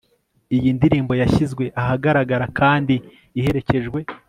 iyi ndirimbo yashyizwe ahagaragara kandi iherekejwe